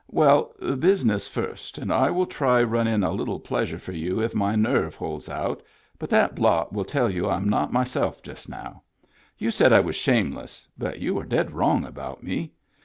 Well buisniss first and I will try run in a little pleasure for you if my nerve holds out but that blot will tell you I am not myself just now. You said I was shameless but you are dead wrong about me.